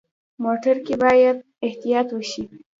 موټر کې باید احتیاط وشي.